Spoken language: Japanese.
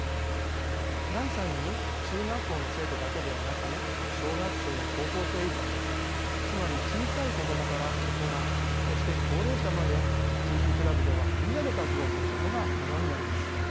第三に中学校の生徒だけではなく小学生や高校生以上つまり小さい子供から大人そして高齢者まで地域クラブではみんなで活動することが可能になります。